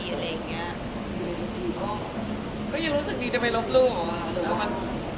จริงก็ยังรู้สึกดีแต่ไม่ลบรูปเหรอ